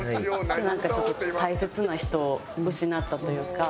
なんかちょっと大切な人を失ったというか。